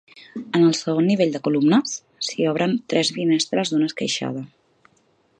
En el segon nivell de columnes, s'hi obren tres finestres d'una esqueixada.